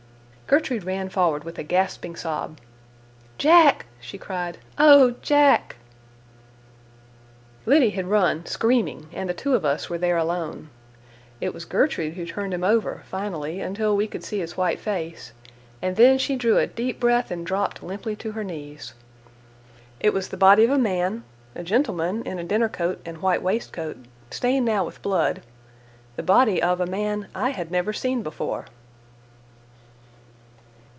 Gertrude ran forward with a gasping sob. "Jack," she cried, "oh, Jack!" Liddy had run, screaming, and the two of us were there alone. It was Gertrude who turned him over, finally, until we could see his white face, and then she drew a deep breath and dropped limply to her knees. It was the body of a man, a gentleman, in a dinner coat and white waistcoat, stained now with blood—the body of a man I had never seen before.